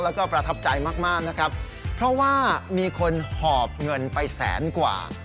แล้วก็ประทับใจมากมากนะครับเพราะว่ามีคนหอบเงินไปแสนกว่า